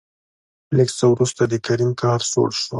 لېږ څه ورورسته د کريم قهر سوړ شو.